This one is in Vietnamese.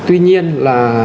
tuy nhiên là